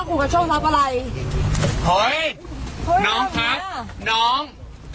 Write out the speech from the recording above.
โอ้โหยน้องค่ะน้อง